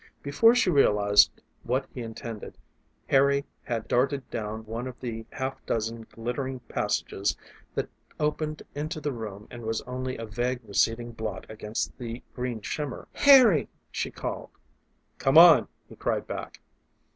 Before she realized what he intended Harry had darted down one of the half dozen glittering passages that opened into the room and was only a vague receding blot against the green shimmer. "Harry!" she called. "Come on!" he cried back.